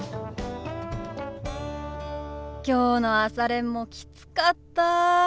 きょうの朝練もきつかった。